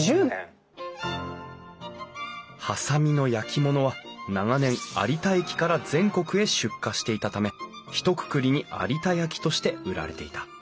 波佐見の焼き物は長年有田駅から全国へ出荷していたためひとくくりに有田焼として売られていた。